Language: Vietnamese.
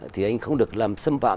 thì anh không được làm xâm phạm